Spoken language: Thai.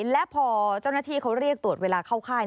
และพอเจ้าหน้าที่เขาเรียกตรวจเวลาเข้าค่าย